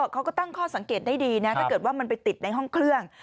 เขาก็ตั้งข้อสังเกตได้ดีนะถ้าเกิดว่ามันไปติดในห้องเครื่อง